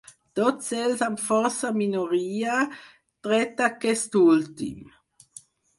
Tots ells amb força minoria, tret d’aquest últim.